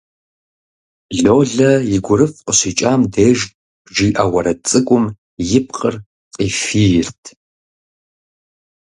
Лолэ и гурыфӀ къыщикӀам деж жиӀэ уэрэд цӀыкӀум и пкъыр къифийрт.